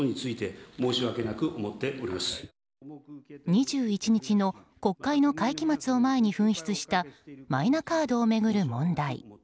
２１日の国会の会期末を前に噴出したマイナカードを巡る問題。